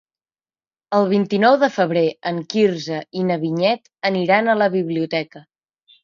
El vint-i-nou de febrer en Quirze i na Vinyet aniran a la biblioteca.